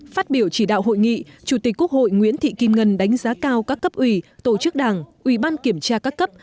phát biểu chỉ đạo hội nghị chủ tịch quốc hội nguyễn thị kim ngân đánh giá cao các cấp ủy tổ chức đảng ủy ban kiểm tra các cấp